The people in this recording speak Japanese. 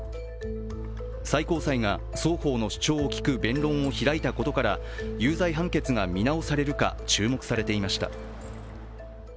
最高裁が双方の主張を聞く弁論を開いたことから有罪判決が見直されるか注目されていました。